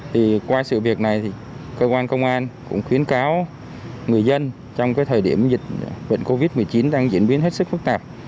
thì qua sự việc này thì cơ quan công an cũng khuyến cáo người dân trong cái thời điểm dịch bệnh covid một mươi chín đang diễn biến hết sức phức tạp